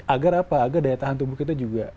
agar apa agar daya tahan tubuh kita juga